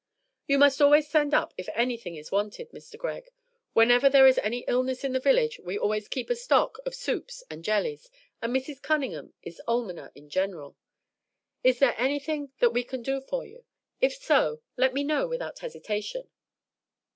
"You must always send up if anything is wanted, Mr. Greg; whenever there is any illness in the village we always keep a stock of soups and jellies, and Mrs. Cunningham is almoner in general. Is there anything that we can do for you? If so, let me know without hesitation."